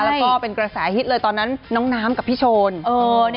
แล้วก็เป็นกระแสฮิตเลยตอนนั้นน้องน้ำกับพี่โชน